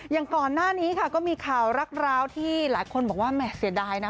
อย่างก่อนหน้านี้ค่ะก็มีข่าวรักร้าวที่หลายคนบอกว่าแหม่เสียดายนะ